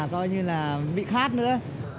coi như là bị khát nữa